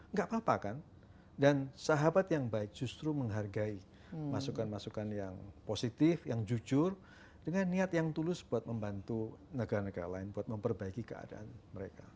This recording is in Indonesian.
nggak apa apa kan dan sahabat yang baik justru menghargai masukan masukan yang positif yang jujur dengan niat yang tulus buat membantu negara negara lain buat memperbaiki keadaan mereka